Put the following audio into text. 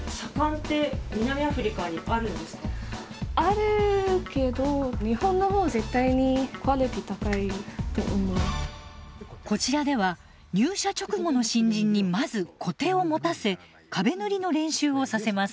あるけどこちらでは入社直後の新人にまずコテを持たせ壁塗りの練習をさせます。